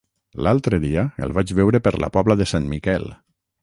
L'altre dia el vaig veure per la Pobla de Sant Miquel.